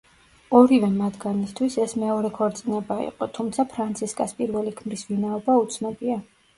ორივე მათგანისთვის, ეს მეორე ქორწინება იყო, თუმცა ფრანცისკას პირველი ქმრის ვინაობა უცნობია.